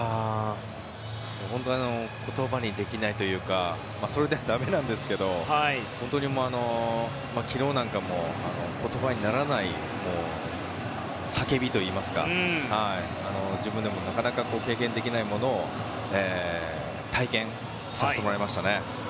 本当に言葉にできないというかそれでは駄目なんですけど本当に昨日なんかも言葉にならない叫びといいますか自分でもなかなか経験できないものを体験させてもらいましたね。